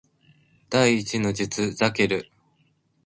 第一の術ザケル